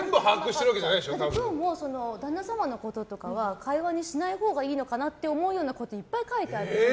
全部今日も、旦那様のこととかは会話にしないほうがいいのかなって思うようなことをいっぱい書いてあるんですよ